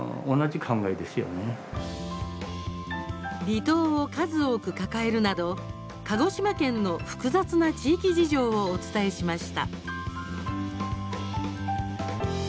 離島を数多く抱えるなど鹿児島県の複雑な地域事情をお伝えしました。